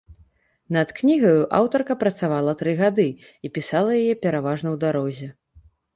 Над кнігаю аўтарка працавала тры гады і пісала яе пераважна ў дарозе.